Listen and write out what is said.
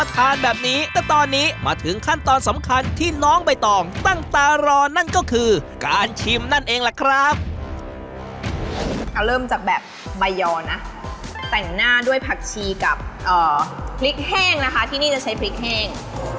กับเอ่อพริกแห้งนะคะที่นี่จะใช้พริกแห้ง